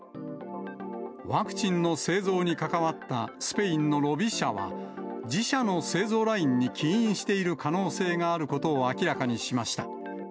ワクチンの製造に関わったスペインのロビ社は、自社の製造ラインに起因している可能性があることを明らかにしました。